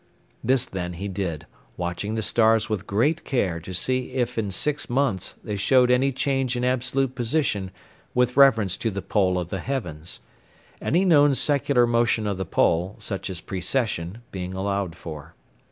This, then, he did, watching the stars with great care to see if in six months they showed any change in absolute position with reference to the pole of the heavens; any known secular motion of the pole, such as precession, being allowed for.